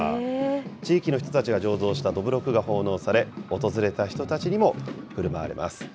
地域の人たちが醸造したどぶろくが奉納され、訪れた人たちにもふるまわれます。